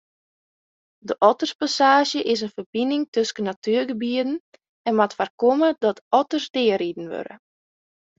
De otterpassaazje is in ferbining tusken natuergebieten en moat foarkomme dat otters deariden wurde.